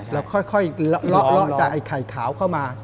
เราค่อยละจากไข่ขาวเข้ามา